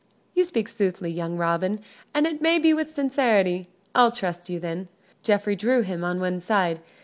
"You speak soothly, young Robin, and it may be with sincerity. I'll trust you then." Geoffrey drew him on one side.